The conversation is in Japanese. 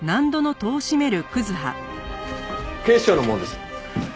警視庁の者です。